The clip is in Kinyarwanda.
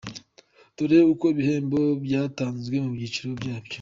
Dore uko ibihembo byatanzwe mu byiciro byabyo:.